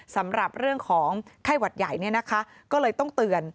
สำหรับเรื่องของไข้หวัดใหญ่ก็เลยต้องเตือน